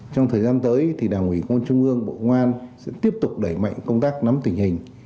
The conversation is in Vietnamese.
trong thời gian tới thì đảng ủy công an trung ương bộ ngoan sẽ tiếp tục đẩy mạnh công tác nắm tình hình